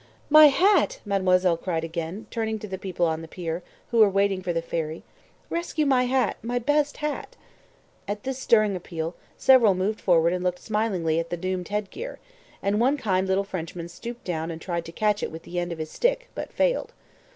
"My hat!" mademoiselle cried again, turning to the people on the pier, who were waiting for the ferry. "Rescue my hat my best hat!" At this stirring appeal several moved forward and looked smilingly at the doomed head gear; and one kind little Frenchman stooped down and tried to catch it with the end of his stick, but failed.